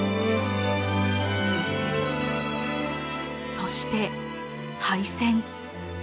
そして敗戦。